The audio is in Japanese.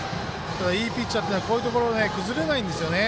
いいピッチャーっていうのはこういうところ崩れないんですよね。